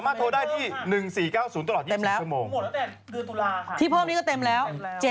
หมดแล้วแต่ดือตุลาค่ะที่เพิ่มนี้ก็เต็มแล้ว